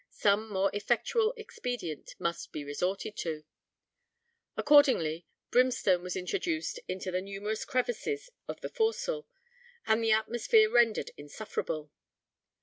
Some more effectual expedient must be resorted to. Accordingly, brimstone was introduced into the numerous crevices of the forecastle, and the atmosphere rendered insufferable.